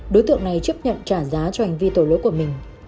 đối tượng này chấp nhận trả giá cho hành vi tổ lỗi của mình